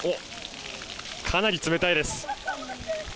かなり冷たいです